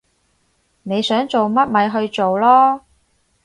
你想做乜咪去做囉